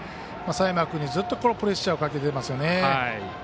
佐山君にずっとプレッシャーをかけていますよね。